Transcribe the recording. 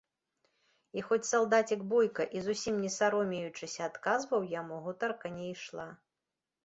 І хоць салдацік бойка і зусім не саромеючыся адказваў яму, гутарка не ішла.